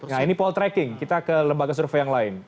nah ini poltreking kita ke lembaga survei yang lain